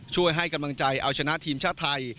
ให้กำลังใจเอาชนะทีมชาติไทย